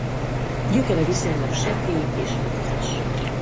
Gyökere viszonylag sekély és ritkás.